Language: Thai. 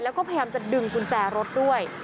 แล้วก็พยายามจะดึงกุญแจรถด้วย